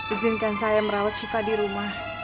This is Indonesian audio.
izinkan saya merawat syifa di rumah